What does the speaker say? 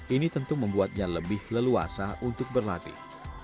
ini tentu membuatnya lebih leluasa untuk berlatih